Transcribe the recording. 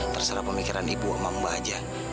terserah pemikiran ibu sama mbak aja